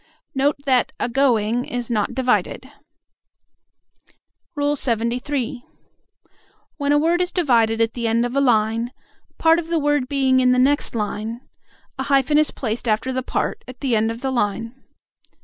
Note that "agoing" is not divided. LXXIII. When a word is divided at the end of a line, part of the word being in the next line, a hyphen is placed after the part at the end of the line.